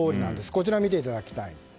こちら、見ていただきたい。